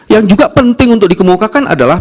yang juga penting untuk dikemukakan adalah